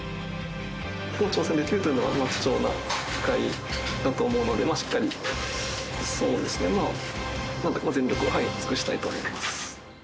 挑戦できるというのは、貴重な機会だと思うので、しっかり全力を尽くしたいと思います。